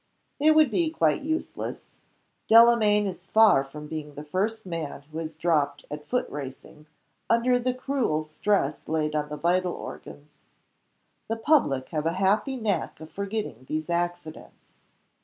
"It would be quite useless. Delamayn is far from being the first man who has dropped at foot racing, under the cruel stress laid on the vital organs. The public have a happy knack of forgetting these accidents.